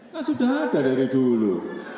kan sudah ada dari dulu